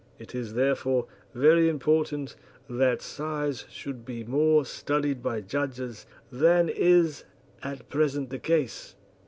It is, therefore, very important that size should be more studied by judges than is at present the case.